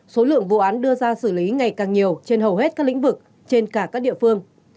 số lượng vụ án đưa ra xử lý ngày càng nhiều trên hầu hết các lĩnh vực trên cả các địa phương